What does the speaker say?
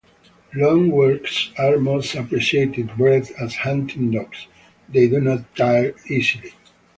Long walks are most appreciated- bred as hunting dogs, they do not tire easily.